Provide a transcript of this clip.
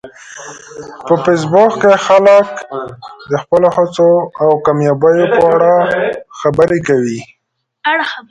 په فېسبوک کې خلک د خپلو هڅو او کامیابیو په اړه خبرې کوي